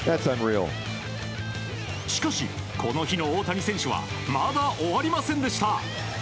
しかし、この日の大谷選手はまだ終わりませんでした。